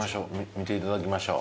見ていただきましょう。